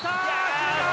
決めた。